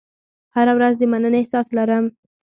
هره ورځ د مننې احساس لرم.